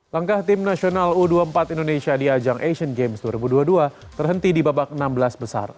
langkah tim nasional u dua puluh empat indonesia di ajang asian games dua ribu dua puluh dua terhenti di babak enam belas besar